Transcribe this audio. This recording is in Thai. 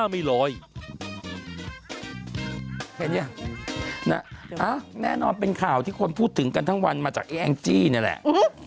เป็นเนี่ยแน่นอนเป็นข่าวที่คนพูดถึงกันทั้งวันมาจากไอ้แองจี้นี่แหละ